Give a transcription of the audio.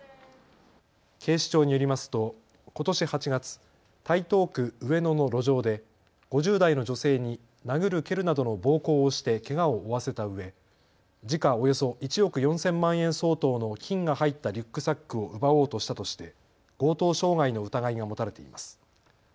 警視庁によりますとことし８月、台東区上野の路上で５０代の女性に殴る蹴るなどの暴行をしてけがを負わせたうえ時価およそ１億４０００万円相当の金が入ったリュックサックを奪おうとしたとして強盗傷害の疑いが持たれています。